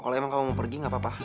kalau emang kamu mau pergi gapapa